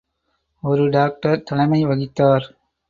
ஒரு டாக்டர் தலைமை வகித்தார்.